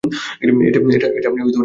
এটা আপনি কেমন ধরনের কথা বলছেন?